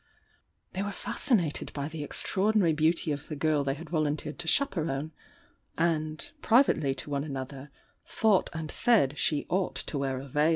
They were fascinated by the extraordinary beauty of the girl they had vol unteered to chaperon, and, privately to one another, thought and said she ought to wear a veU.